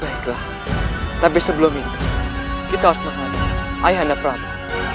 baiklah tapi sebelum itu kita harus menghentikan rai hana prada